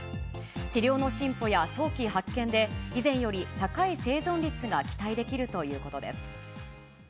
治療の進歩や早期発見で、以前より高い生存率が期待できるということです。